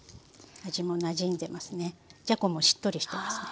味もなじんでますね。